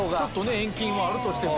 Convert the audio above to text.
遠近はあるとしても。